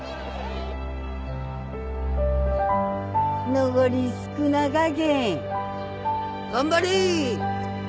残り少なかけん頑張れ。